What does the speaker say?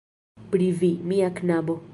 Pri vi, mia knabo.